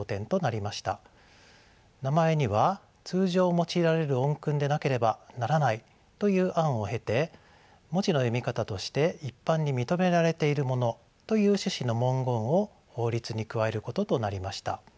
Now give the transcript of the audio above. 名前には通常用いられる音訓でなければならないという案を経て文字の読み方として一般に認められているものという趣旨の文言を法律に加えることとなりました。